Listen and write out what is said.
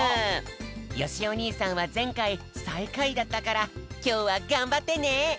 よしお兄さんはぜんかいさいかいだったからきょうはがんばってね！